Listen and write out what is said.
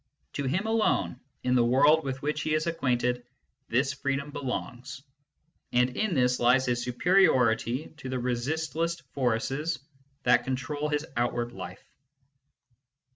To him alone, in the world with which he is acquainted, this freedom belongs ; and in this lies his superiority to the resistless forces that control his out ward life.